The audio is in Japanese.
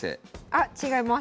あ違います。